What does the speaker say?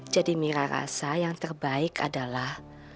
jadi mira rasa yang terbatas adalah